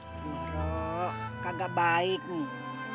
ih ro kagak baik nih